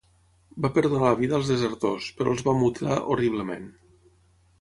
Va perdonar la vida als desertors, però els va mutilar horriblement.